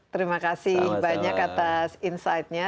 terima kasih banyak atas insightnya